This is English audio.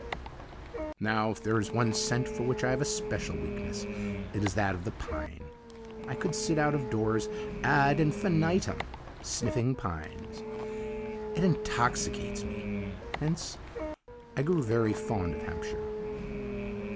Now, if there is one scent for which I have a special weakness, it is that of the pine. I could sit out of doors ad infinitum sniffing pines. It intoxicates me; hence I grew very fond of Hampshire.